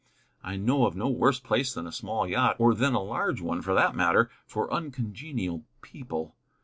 I know of no worse place than a small yacht, or than a large one for that matter, for uncongenial people.